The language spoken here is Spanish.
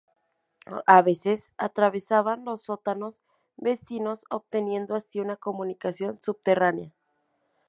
A veces atravesaban los sótanos vecinos, obteniendo así una comunicación subterránea.